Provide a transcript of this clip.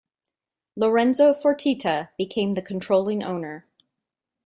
Lorenzo Fertitta became the controlling owner.